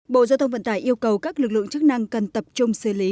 bộ giao thông vận tải yêu cầu các lực lượng chức năng cần tập trung xử lý